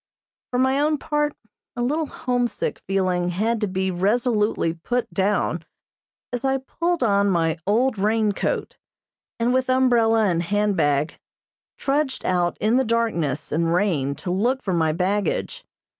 For my own part, a little homesick feeling had to be resolutely put down as I pulled on my old rain coat, and with umbrella and handbag trudged out in the darkness and rain to look for my baggage.